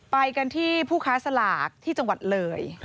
ไปกันที่ผู้ค้าสลากที่จังหวัดเลย